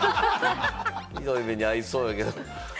ひどい目に合いそうやけど。